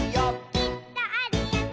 「きっとあるよね」